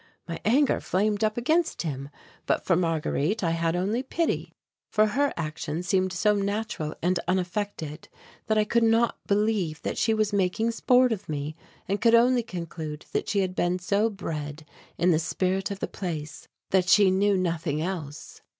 My anger flamed up against him, but for Marguerite I had only pity, for her action seemed so natural and unaffected that I could not believe that she was making sport of me, and could only conclude that she had been so bred in the spirit of the place that she knew nothing else.